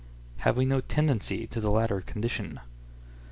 Have we no tendency to the latter condition?